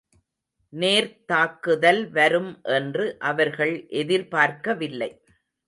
நேர்த் தாக்குதல் வரும் என்று அவர்கள் எதிர்பார்க்கவில்லை.